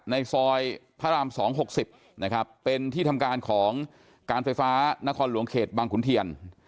ในซอยพระราม๒๖๐นะครับเป็นที่ทำการของการไฟฟ้านครหลวงเขตบางขุนเทียน